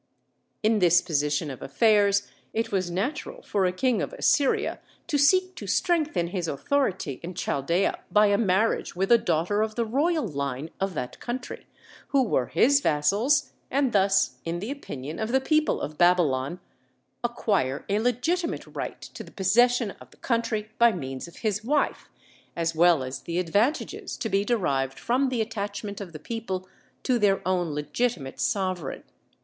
In this position of affairs it was natural for a king of Assyria to seek to strengthen his authority in Chaldæa by a marriage with a daughter of the royal line of that country, who were his vassals, and thus, in the opinion of the people of Babylon, acquire a legitimate right to the possession of the country by means of his wife, as well as the advantages to be derived from the attachment of the people to their own legitimate sovereign.